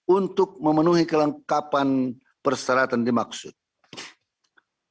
untuk memenuhi kelengkapan perseratan dimaksudnya